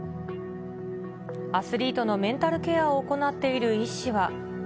アスリートのメンタルケアを行っている医師は。